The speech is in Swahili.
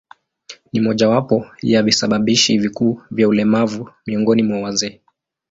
Ni mojawapo ya visababishi vikuu vya ulemavu miongoni mwa wazee.